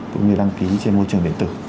cũng như đăng ký trên môi trường điện tử